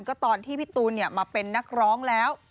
ก็ตอนที่พี่ตูนมาเป็นนักร้องแล้ว